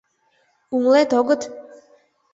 — Умылет, огыт?